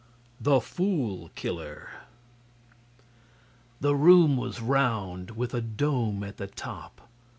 8. The Fool Killer The room was round, with a dome at the top.